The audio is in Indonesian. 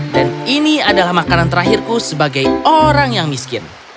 dan ini adalah makanan terakhirku sebagai orang yang miskin